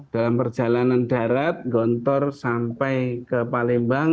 dalam perjalanan darat gontor sampai ke palembang